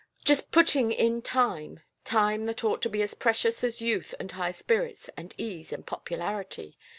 "Just putting in time time that ought to be as precious as youth and high spirits and ease and popularity!